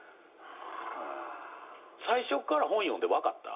最初っから本読んで分かった？